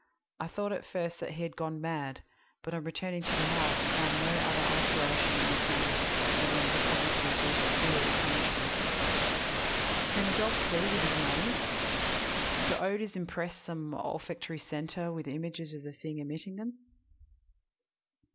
I thought at first that he had gone mad, but on returning to the house found no other alteration in his manner than what was obviously due to fear of punishment. "Can a dog see with his nose? Do odors impress some olfactory centre with images of the thing emitting them?